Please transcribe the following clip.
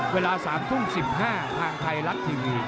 เวลา๓ทุ่ม๑๕ทางไทยรัฐทีวี